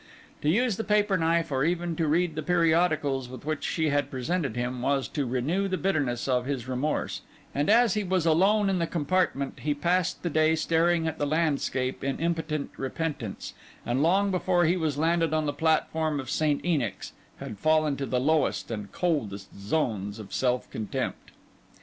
To use the paper knife, or even to read the periodicals with which she had presented him, was to renew the bitterness of his remorse; and as he was alone in the compartment, he passed the day staring at the landscape in impotent repentance, and long before he was landed on the platform of St. Enoch's, had fallen to the lowest and coldest zones of self contempt.